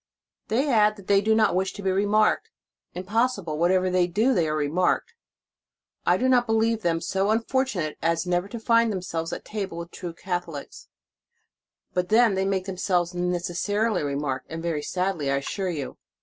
They add that they do not wish to be re marked. Impossible! whatever they do, they are remarked. I do not believe them so 242 The Sign of the Cross. 243 unfortunate as never to find themselves at table with true Catholics. But then they make themselves necessarily remarked, and very sadly, I assure you.